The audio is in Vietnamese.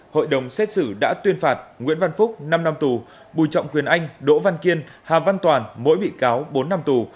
hội đồng xét xử đã tuyên phạt nguyễn văn phúc năm năm tù bùi trọng quyền anh đỗ văn kiên hà văn toàn mỗi bị cáo bốn năm tù